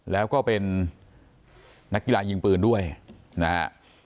แล้วก็เป็นนักกีฬายิงปืนด้วยนะฮะ